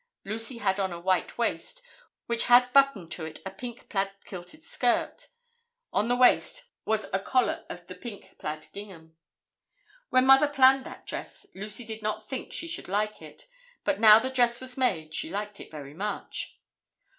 Lucy had on a white waist, which had buttoned to it a pink plaid kilted skirt. On the waist was a collar of the pink plaid gingham. When Mother planned that dress, Lucy did not think she should like it, but now the dress was made, she liked it very much.